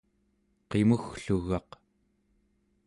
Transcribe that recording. qimugglugaq